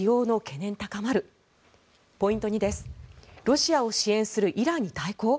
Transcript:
ロシアを支援するイランに対抗？